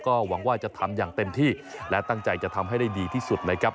ก็หวังว่าจะทำอย่างเต็มที่และตั้งใจจะทำให้ได้ดีที่สุดนะครับ